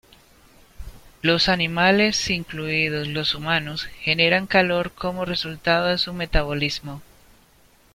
Los animales incluidos los humanos, generan calor como resultado de su metabolismo.